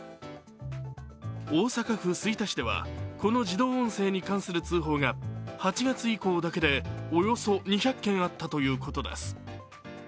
大阪府吹田市ではこの自動音声に関する通報が８月以降だけで、およそ２００件あったということです。